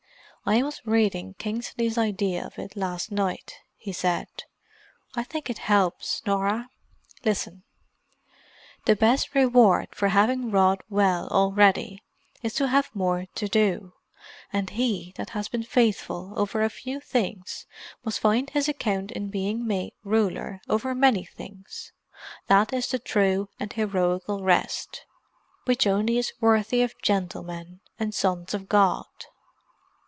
"I was reading Kingsley's idea of it last night," he said. "I think it helps, Norah. Listen. 'The best reward for having wrought well already, is to have more to do; and he that has been faithful over a few things, must find his account in being made ruler over many things. That is the true and heroical rest, which only is worthy of gentlemen and sons of God.